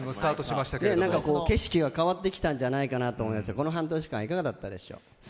景色が変わってきたんじゃないかなと思いますが、この半年間、いかがだったでしょう？